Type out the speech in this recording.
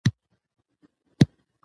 په اوداسه کي پوزه سوڼ کول لازم ده